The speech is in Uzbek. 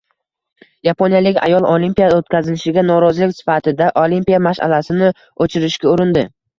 Yaponiyalik ayol Olimpiada o‘tkazilishiga norozilik sifatida Olimpiya mash'alasini o‘chirishga urindi